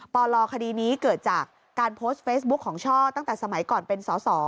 ปลคดีนี้เกิดจากการโพสต์เฟซบุ๊คของช่อตั้งแต่สมัยก่อนเป็นสส